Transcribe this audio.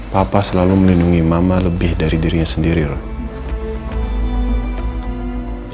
papa selalu melindungi mama lebih dari dirinya sendiri roh